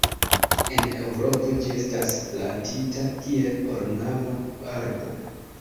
En Eŭropo ĝi estas plantita kiel ornama arbo.